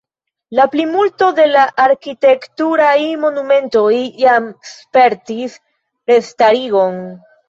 La plimulto de la arkitekturaj monumentoj jam spertis restarigon.